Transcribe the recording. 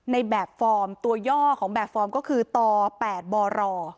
ในแบบฟอร์มตัวย่อของแบบฟอร์มก็คือต๘บร